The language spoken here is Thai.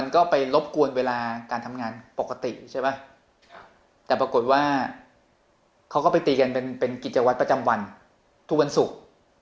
ก็ไปรบกวนเวลาการทำงานปกติใช่ไหมแต่ปรากฏว่าเขาก็ไปตีกันเป็นกิจวัตรประจำวันทุกวันศุกร์